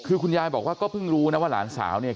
คือคุณยายบอกว่าก็เพิ่งรู้นะว่าหลานสาวเนี่ย